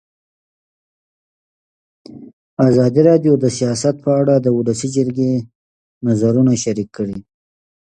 ازادي راډیو د سیاست په اړه د ولسي جرګې نظرونه شریک کړي.